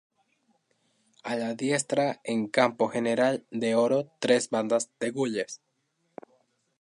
A la diestra en campo general de oro tres bandas de gules.